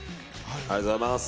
ありがとうございます。